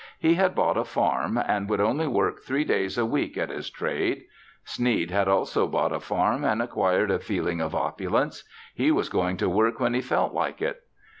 He had bought a farm and would only work three days a week at his trade. Sneed had also bought a farm and acquired a feeling of opulence. He was going to work when he felt like it.